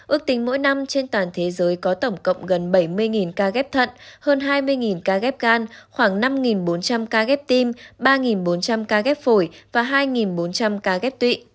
ước tính mỗi năm trên toàn thế giới có tổng cộng gần bảy mươi ca ghép thận hơn hai mươi ca ghép gan khoảng năm bốn trăm linh ca ghép tim ba bốn trăm linh ca ghép phổi và hai bốn trăm linh ca ghép tụy